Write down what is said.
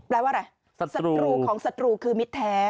แปลว่าอะไรศัตรูของศัตรูคือมิตรแท้